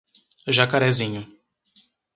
Jacarezinho